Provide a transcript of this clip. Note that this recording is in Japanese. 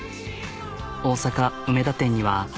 大阪梅田店には。